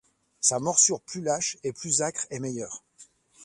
Sa morsure plus lâche, et plus âcre et meilleure